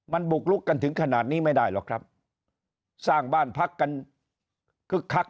มันบุกลุกกันถึงขนาดนี้ไม่ได้หรอกครับสร้างบ้านพักกันคึกคัก